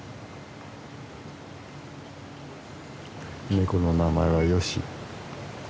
ネコの名前はヨシ。